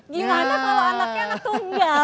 gimana kalau anaknya tunggal